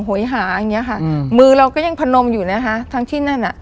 โหยหาอย่างเงี้ค่ะอืมมือเราก็ยังพนมอยู่นะคะทั้งที่นั่นอ่ะ